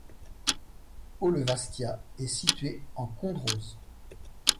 Haut-le-Wastia est située en Condroz.